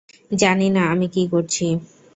জানি না আমি কি করছি।